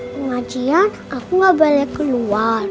mama cian aku gak boleh keluar